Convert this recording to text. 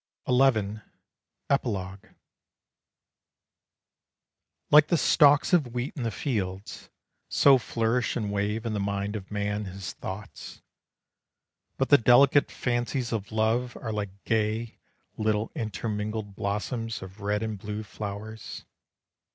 XI. EPILOGUE. Like the stalks of wheat in the fields, So flourish and wave in the mind of man His thoughts. But the delicate fancies of love Are like gay little intermingled blossoms Of red and blue flowers.